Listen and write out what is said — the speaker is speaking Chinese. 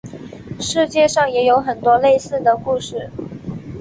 世界上也有很多类似的故事。